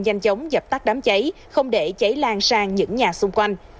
nhanh chóng dập tắt đám cháy không để cháy lan sang những nhà xung quanh